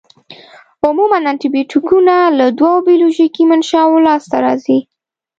عموماً انټي بیوټیکونه له دوو بیولوژیکي منشأوو لاس ته راځي.